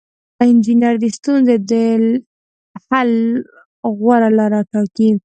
انجینر د ستونزې د حل غوره لاره ټاکي.